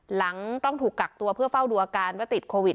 หลังต้องถูกกักตัวเพื่อเฝ้าดูอาการว่าติดโควิด